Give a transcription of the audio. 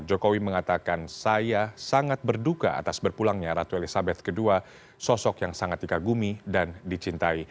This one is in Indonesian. jokowi mengatakan saya sangat berduka atas berpulangnya ratu elizabeth ii sosok yang sangat dikagumi dan dicintai